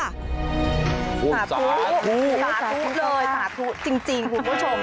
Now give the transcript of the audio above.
สาธุสาธุเลยสาธุจริงคุณผู้ชม